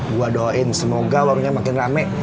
gue doain semoga warungnya makin rame